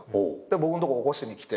僕んとこ起こしに来て。